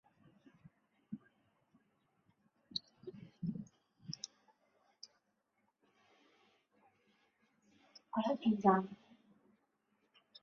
这部作品也是作者对梅尔莫兹的友情献礼。